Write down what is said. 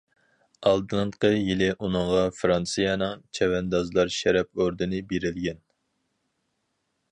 ئالدىنقى يىلى ئۇنىڭغا فىرانسىيەنىڭ چەۋەندازلار شەرەپ ئوردىنى بېرىلگەن.